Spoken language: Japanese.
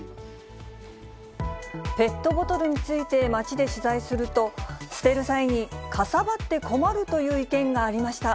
ペットボトルについて街で取材すると、捨てる際にかさばって困るという意見がありました。